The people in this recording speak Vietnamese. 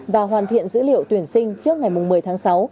và hoàn thiện dữ liệu tuyển sinh trước ngày một mươi tháng sáu